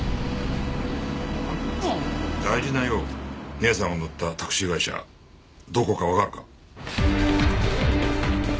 姉さんが乗ったタクシー会社どこかわかるか？